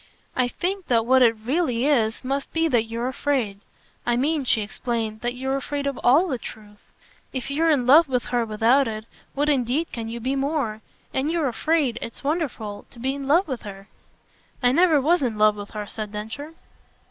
"I think that what it really is must be that you're afraid. I mean," she explained, "that you're afraid of ALL the truth. If you're in love with her without it, what indeed can you be more? And you're afraid it's wonderful! to be in love with her." "I never was in love with her," said Densher.